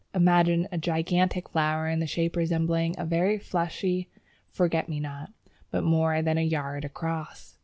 Imagine a gigantic flower in shape resembling a very fleshy forget me not, but more than a yard across!